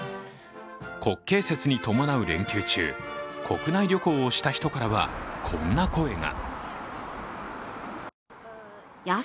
国慶節に伴う連休中、国内旅行をした人からはこんな声が。